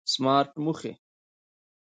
سمارټ موخې